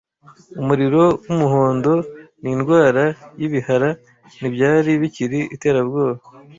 Umuriro wumuhondo nindwara y'ibihara ntibyari bikiri iterabwoba.